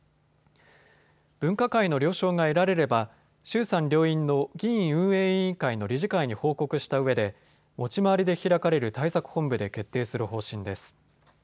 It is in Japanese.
分科会の了承が得られれば衆参両院の議院運営委員会の理事会に報告したうえで持ち回りで開かれる対策本部で決定する方針です。